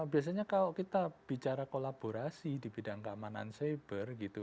biasanya kalau kita bicara kolaborasi di bidang keamanan cyber gitu